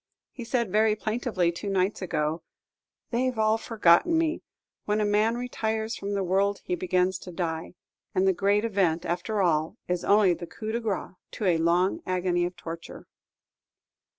He said very plaintively, two nights ago, "They 've all forgotten me. When a man retires from the world he begins to die, and the great event, after all, is only the coup de grace to a long agony of torture."